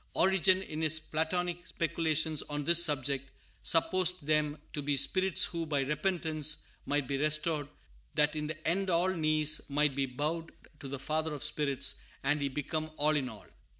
Origen, in his Platonic speculations on this subject, supposed them to be spirits who, by repentance, might be restored, that in the end all knees might be bowed to the Father of spirits, and He become all in all.